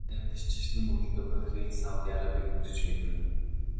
Цус урсгасан дайн биш ч шашны мөргөлдөөн Бахрейн, Саудын Арабыг хөндөж мэднэ.